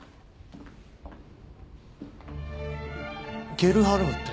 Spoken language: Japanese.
ゲルハルムって！？